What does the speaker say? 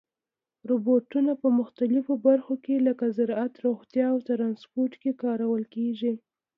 روبوټونه په مختلفو برخو کې لکه زراعت، روغتیا او ترانسپورت کې کارول کېږي.